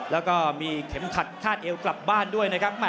แล้วก็มีเข็มขัดคาดเอวกลับบ้านด้วยนะครับ